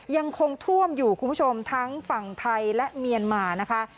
ยังคงถ้วมอยู่ทางฝั่งไทยและเมียนมานะคะ